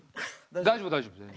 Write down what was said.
大丈夫大丈夫全然。